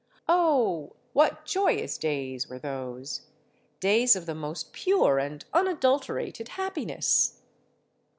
Oh! what joyous days were those—days of the most pure and unadulterated happiness!